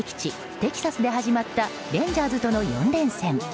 テキサスで始まったレンジャーズとの４連戦。